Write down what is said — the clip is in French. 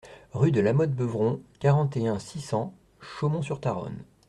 Rue de Lamotte Beuvron, quarante et un, six cents Chaumont-sur-Tharonne